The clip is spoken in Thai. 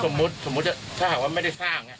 สมมุติถ้าหากว่าไม่ได้สร้าง